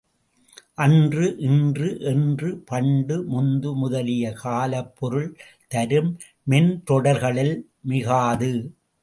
அன்று, இன்று, என்று, பண்டு, முந்து முதலிய காலப்பொருள் தரும் மென்றொடர்களில் மிகாது.